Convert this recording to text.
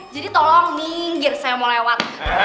jadi tolong ninggir saya mau lewat